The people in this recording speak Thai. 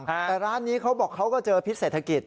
แต่ร้านนี้เขาบอกเขาก็เจอพิษเศรษฐกิจ